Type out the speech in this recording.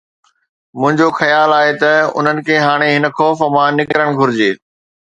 منهنجو خيال آهي ته انهن کي هاڻي هن خوف مان نڪرڻ گهرجي.